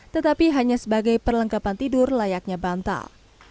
tetapi hanya sebagai perlengkapan tidur layaknya bantal